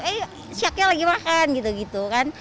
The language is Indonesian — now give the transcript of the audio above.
eh syaknya lagi makan gitu gitu kan